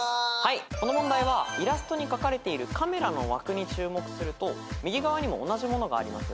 この問題はイラストに描かれているカメラの枠に注目すると右側にも同じものがありますよね。